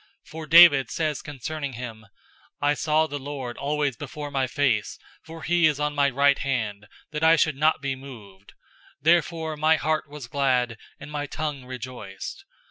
002:025 For David says concerning him, 'I saw the Lord always before my face, For he is on my right hand, that I should not be moved. 002:026 Therefore my heart was glad, and my tongue rejoiced.